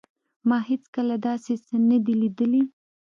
ما هیڅکله داسې څه نه دي لیدلي